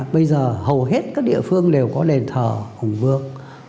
bây giờ hầu hết các địa phương đều có đền thờ hùng vương